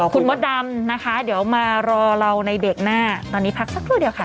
คุณมดดำนะคะเดี๋ยวมารอเราในเบรกหน้าตอนนี้พักสักครู่เดียวค่ะ